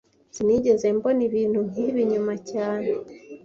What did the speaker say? Sinigeze mbona ibintu nkibi nyuma cyane